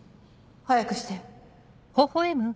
早くして。